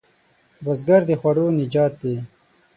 بزګر د خوړو نجات دی